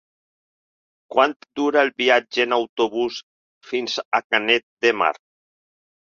Quant dura el viatge en autobús fins a Canet de Mar?